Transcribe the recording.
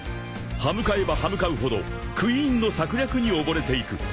［歯向かえば歯向かうほどクイーンの策略に溺れていく］